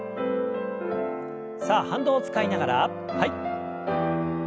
さあ反動を使いながらはい。